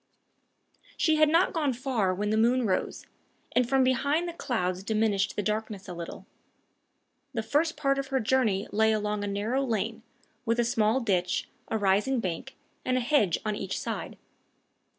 She had not gone far when the moon rose, and from behind the clouds diminished the darkness a little. The first part of her journey lay along a narrow lane, with a small ditch, a rising bank, and a hedge on each side.